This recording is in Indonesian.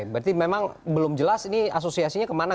berarti memang belum jelas ini asosiasinya kemana